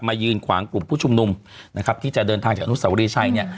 ยืนขวางกลุ่มผู้ชุมนุมนะครับที่จะเดินทางจากอนุสาวรีชัยเนี่ย